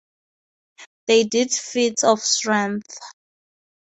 They did feats of strength.